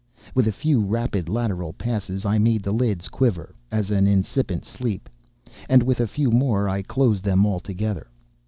With a few rapid lateral passes I made the lids quiver, as in incipient sleep, and with a few more I closed them altogether.